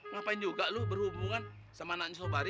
ngapain juga lu berhubungan sama anaknya sobari